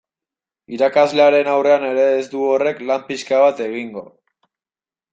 Irakaslearen aurrean ere ez du horrek lan pixka bat egingo.